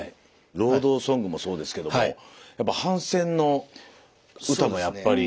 労働ソングもそうですけどもやっぱ反戦の歌もやっぱり。